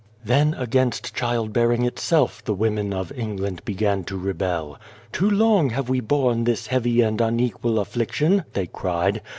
" Then against child bearing itself the women of England began to rebel. ' Too long have we borne this heavy and unequal affliction,' they cried.